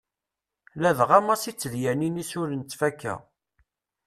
Ladɣa Massi d tedyanin-is ur nettfakka.